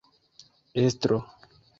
estro